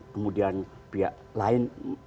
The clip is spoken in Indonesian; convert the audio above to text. kemudian pihak lain